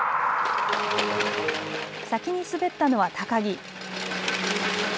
先に滑ったのは高木。